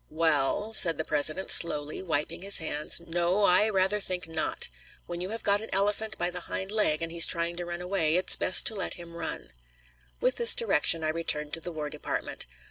"Well," said the President slowly, wiping his hands, "no, I rather think not. When you have got an elephant by the hind leg, and he's trying to run away, it's best to let him run." With this direction, I returned to the War Department.